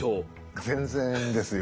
全然ですよ。